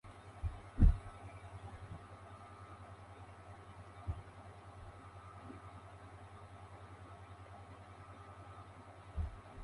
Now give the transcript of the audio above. Es el lugar preferencial para actividades artísticas y musicales.